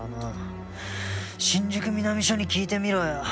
新宿南署に聞いてみろよ。